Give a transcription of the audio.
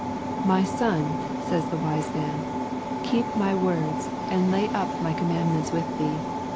My son, says the Wise Man, keep my words, and lay up my commandments with thee.